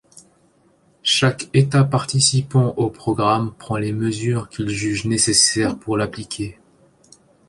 Chaque état participant au programme prend les mesures qu'il juge nécessaires pour l'appliquer.